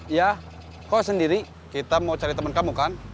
iya kau sendiri kita mau cari temen kamu kan